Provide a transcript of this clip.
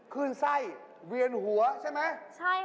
คุณไส้เวียนหัวใช่ไหม